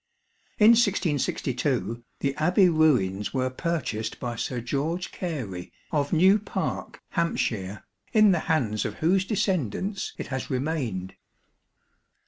In 1662, the Abbey ruins were purchased by Sir George Gary of New Parke, Hants, in the hands of whose descendants it has remained.